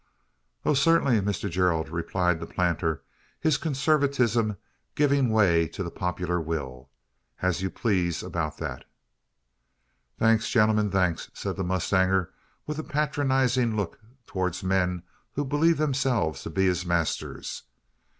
"Oh, certainly, Mr Gerald!" replied the planter, his conservatism giving way to the popular will "as you please about that." "Thanks, gentlemen thanks!" said the mustanger, with a patronising look towards men who believed themselves to be his masters.